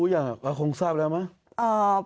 เมียเขารู้อย่างนั้นคงทราบแล้วไหม